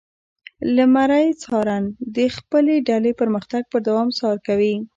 لمری څارن د خپلې ډلې پرمختګ پر دوام څار کوي.